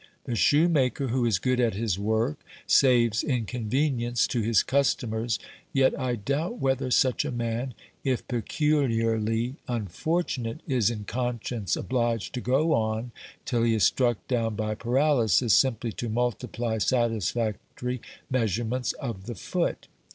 The shoemaker who is good at his work saves incon venience to his customers, yet I doubt whether such a man, if peculiarly unfortunate, is in conscience obliged to go on till he is struck down by paralysis, simply to multiply satisfactory measurements of the foot.